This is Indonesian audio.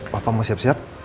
papa mau siap siap